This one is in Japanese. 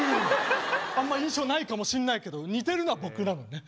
あんま印象ないかもしんないけど似てるのは僕なのね。